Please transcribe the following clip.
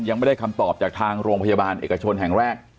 ยังไม่ได้คำตอบจากทางโรงพยาบาลเอกชนแห่งแรก